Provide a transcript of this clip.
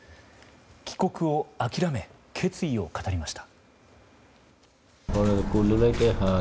帰国を諦め決意を語りました。